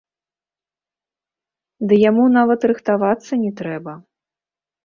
Ды яму нават рыхтавацца не трэба!